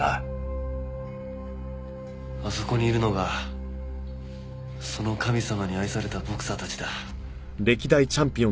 あそこにいるのがその神様に愛されたボクサーたちだ。